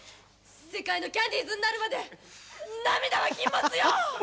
世界のキャンディーズになるまで涙は禁物よ！